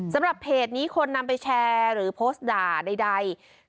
สำหรับเพจนี้คนนำไปแชร์หรือโพสต์ด่าใด